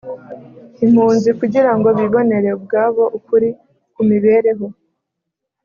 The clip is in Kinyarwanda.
impunzi kugira ngo bibonere ubwabo ukuri ku mibereho